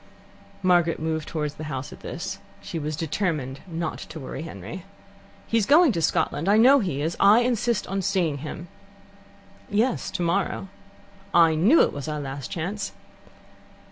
Margaret moved towards the house at this. She was determined not to worry Henry. "He's going to Scotland. I know he is. I insist on seeing him." "Yes, tomorrow." "I knew it was our last chance."